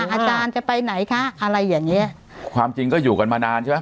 อาจารย์จะไปไหนคะอะไรอย่างเงี้ยความจริงก็อยู่กันมานานใช่ไหม